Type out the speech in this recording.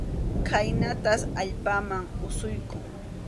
Khaynatas allpaman asuykun.